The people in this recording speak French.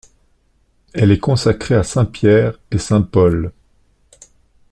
Elle est consacrée à saint Pierre et saint Paul.